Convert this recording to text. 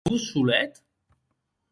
Vos solet?